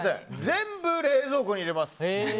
全部、冷蔵庫に入れます。